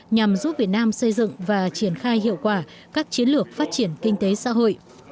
nhằm giúp việt nam xây dựng và triển khai hiệu quả các chiến lược phát triển kinh tế xã hội